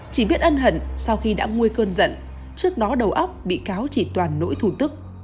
chỉ biết ân hận sau khi đã nuôi cơn giận trước đó đầu óc bị cáo chỉ toàn nỗi thủ tức